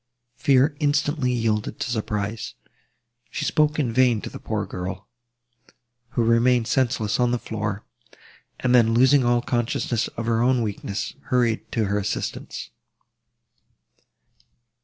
Fear instantly yielded to surprise. She spoke in vain to the poor girl, who remained senseless on the floor, and then, losing all consciousness of her own weakness, hurried to her assistance.